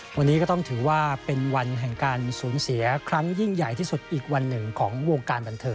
วันนี้ก็ต้องถือว่าเป็นวันแห่งการสูญเสียครั้งยิ่งใหญ่ที่สุดอีกวันหนึ่งของวงการบันเทิง